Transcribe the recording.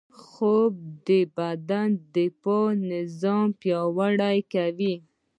خوب د بدن دفاعي نظام پیاوړی کوي